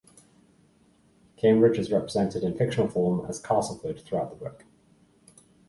Cambridge is represented in fictional form as Castleford throughout the book.